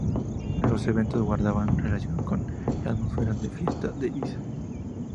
Los eventos guardaban relación con la atmósfera de fiesta de Ibiza.